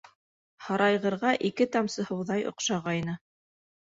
Һарайғырға ике тамсы һыуҙай оҡшағайны.